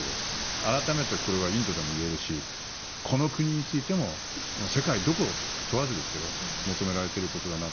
改めて、これはインドにも言えるしこの国についても世界どこを問わずですけど求められていることだなと。